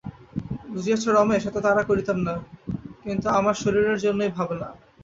বুঝিয়াছ রমেশ, এত তাড়া করিতাম না, কিন্তু আমার শরীরের জন্যই ভাবনা।